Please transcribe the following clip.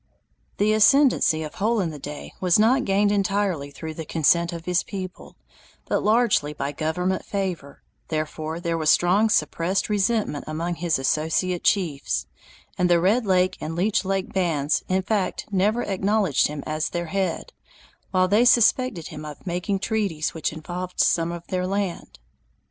The ascendancy of Hole in the Day was not gained entirely through the consent of his people, but largely by government favor, therefore there was strong suppressed resentment among his associate chiefs, and the Red Lake and Leech Lake bands in fact never acknowledged him as their head, while they suspected him of making treaties which involved some of their land.